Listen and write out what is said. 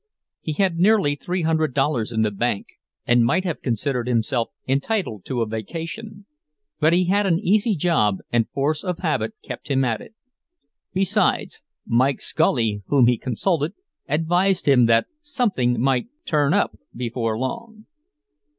He had nearly three hundred dollars in the bank, and might have considered himself entitled to a vacation; but he had an easy job, and force of habit kept him at it. Besides, Mike Scully, whom he consulted, advised him that something might "turn up" before long.